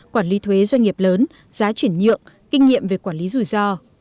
quản lý thuế doanh nghiệp lớn giá chuyển nhượng kinh nghiệm về quản lý rủi ro